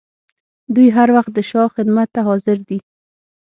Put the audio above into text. دوی هر وخت د شاه خدمت ته حاضر دي.